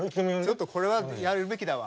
ちょっとこれはやるべきだわ。